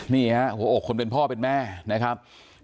นี่ฮะหัวอกคนเป็นพ่อเป็นแม่นะครับ